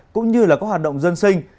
cũng như là các hoạt động dân sinh